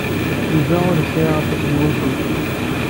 Yuba ur yesɛi aṭas n wakud.